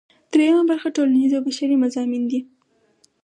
دریمه برخه ټولنیز او بشري مضامین دي.